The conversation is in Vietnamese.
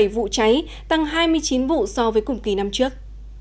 bảy vụ cháy tăng hai mươi chín vụ so với cùng kỳ năm trước